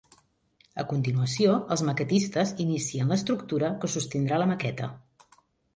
A continuació els maquetistes inicien l'estructura que sostindrà la maqueta.